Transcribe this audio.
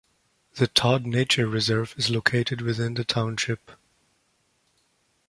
The Todd Nature Reserve is located within the township.